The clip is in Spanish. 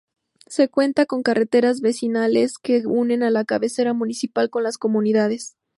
Se cuenta con carreteras vecinales que unen a la cabecera municipal con las comunidades.